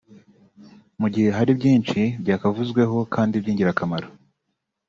mu gihe hari byinshi byakavuzweho kandi by’ingirakamaro